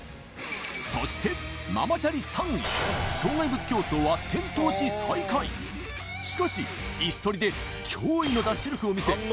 そしてママチャリ３位障害物競走は転倒し最下位しかしイス取りで驚異のダッシュ力を見せ